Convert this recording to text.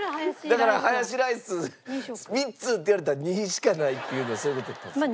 だからハヤシライス３つって言われたら２しかないって言うのはそういう事です。